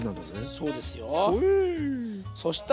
そうですよ。ほえ。